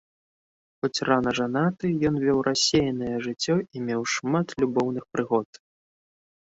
Хоць рана жанаты, ён вёў рассеянае жыццё і меў шмат любоўных прыгод.